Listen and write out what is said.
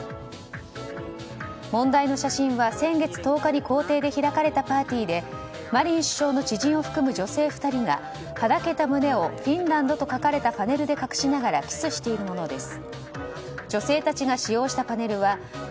問題の写真は先月１０日に公邸で開かれたパーティーでマリン首相の知人を含む女性２人がはだけた胸をフィンランドと書かれたパネルで隠しながらキスしているものです。